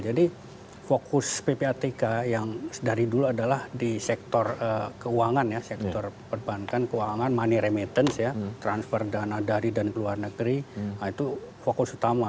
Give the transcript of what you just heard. jadi fokus ppatk yang dari dulu adalah di sektor keuangan ya sektor perbankan keuangan money remittance ya transfer dana dari dan ke luar negeri itu fokus utama